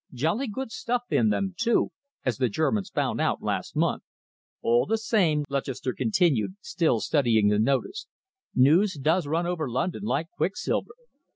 Jolly good stuff in them, too, as the Germans found out last month." "All the same," Lutchester continued, still studying the notice, "news does run over London like quicksilver.